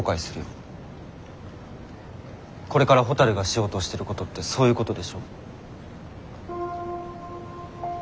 これからほたるがしようとしてることってそういうことでしょ？